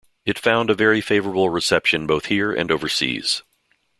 It found a very favourable reception both here and overseas.